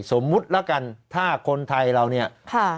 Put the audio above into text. สมมุติแล้วกันถ้าคนไทยเรา